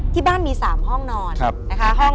ที่บ้านมี๓ห้องนอน